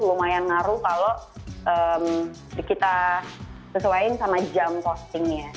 lumayan ngaruh kalau kita sesuaiin sama jam postingnya